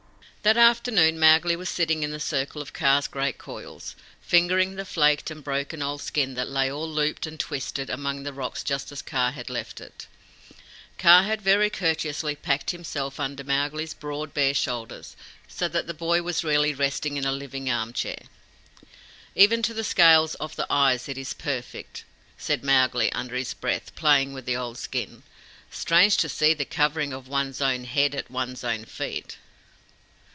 That afternoon Mowgli was sitting in the circle of Kaa's great coils, fingering the flaked and broken old skin that lay all looped and twisted among the rocks just as Kaa had left it. Kaa had very courteously packed himself under Mowgli's broad, bare shoulders, so that the boy was really resting in a living arm chair. "Even to the scales of the eyes it is perfect," said Mowgli, under his breath, playing with the old skin. "Strange to see the covering of one's own head at one's own feet!"